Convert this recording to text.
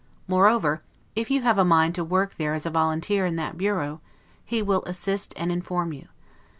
Moreover, if you have a mind to work there as a volunteer in that bureau, he will assist and inform you.